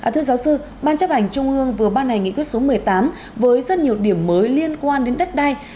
thưa giáo sư ban chấp hành trung ương vừa ban hành nghị quyết số một mươi tám với rất nhiều điểm mới liên quan đến đất đai